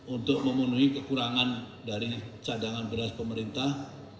untuk memenuhi kekurangan dari cadangan beras pemerintah